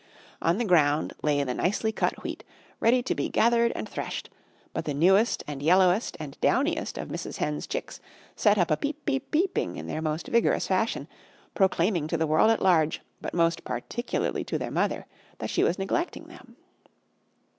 On the ground lay the nicely cut Wheat, ready to be gathered and threshed, but the newest and yellowest and downiest of Mrs. Hen's chicks set up a "peep peep peeping" in their most vigorous fashion, proclaiming to the world at large, but most particularly to their mother, that she was neglecting them.